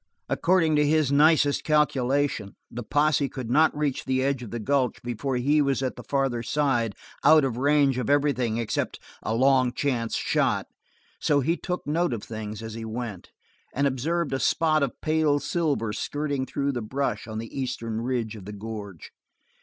According to his nicest calculation the posse could not reach the edge of the gulch before he was at the farther side, out of range of everything except a long chance shot, so he took note of things as he went and observed a spot of pale silver skirting through the brush on the eastern ridge of the gorge.